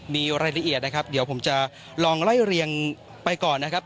มีรายละเอียดนะครับเดี๋ยวผมจะลองไล่เรียงไปก่อนนะครับ